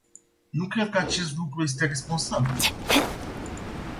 Nu cred că acest lucru este responsabil.